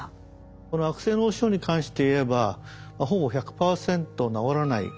この悪性脳腫瘍に関していえばほぼ１００％治らない病気であった。